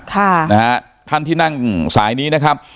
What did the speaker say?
ท่านที่นั่งสายนี้นะครับ